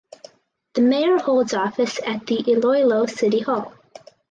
The mayor holds office at the Iloilo City Hall.